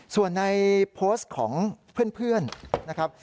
ส่วนในโพสต์ของเพื่อนนะครับ